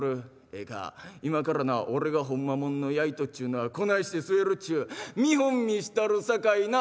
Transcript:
ええか今からな俺がホンマもんの灸っちゅうのはこないして据えるっちゅう見本見したるさかいな」。